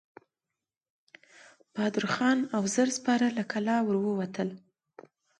بهادر خان او زر سپاره له کلا ور ووتل.